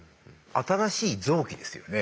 新しい臓器ですよね？